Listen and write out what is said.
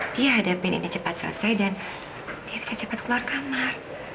dia ada pendeknya cepat selesai dan dia bisa cepat keluar kamar